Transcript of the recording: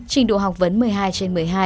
trình độ học vấn một mươi hai trên một mươi hai